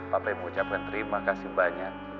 papi mau ucapkan terima kasih banyak